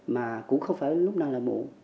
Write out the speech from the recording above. mà cũng không phải lúc nào là muộn